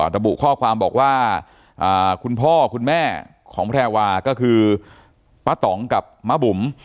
ระบุข้อความบอกว่าคุณพ่อคุณแม่ของแพรวาก็คือป้าต๋องกับม้าบุ๋ม